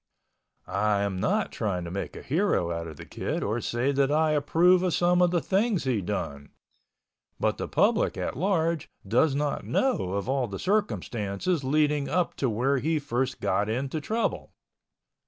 I am not trying to make a hero out of the Kid or say that I approve of some things he done, but the public at large does not know all the circumstances leading up to where he first got into trouble.